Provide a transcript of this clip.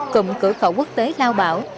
cùng cửa khẩu quốc tế lao bảo